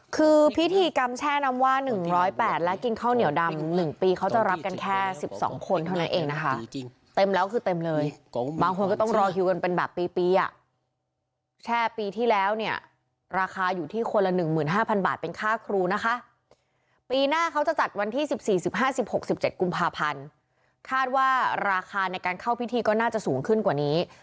คือพิธีกรรมแช่น้ำว่า๑๐๘และกินข้าวเหนียวดำ๑ปีเขาจะรับกันแค่๑๒คนเท่านั้นเองนะคะเต็มแล้วคือเต็มเลยบางคนก็ต้องรอคิวกันเป็นแบบปีปีอ่ะแช่ปีที่แล้วเนี่ยราคาอยู่ที่คนละ๑๕๐๐บาทเป็นค่าครูนะคะปีหน้าเขาจะจัดวันที่๑๔๑๕๑๖๑๗กุมภาพันธ์คาดว่าราคาในการเข้าพิธีก็น่าจะสูงขึ้นกว่านี้